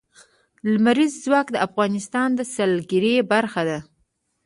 لمریز ځواک د افغانستان د سیلګرۍ برخه ده.